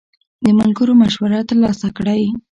د ملګرو مشوره ترلاسه کړئ.